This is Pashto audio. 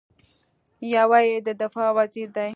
یو یې د دفاع وزیر دی.